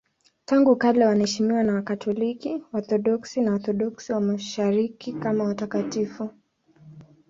Tangu kale wanaheshimiwa na Wakatoliki, Waorthodoksi na Waorthodoksi wa Mashariki kama watakatifu.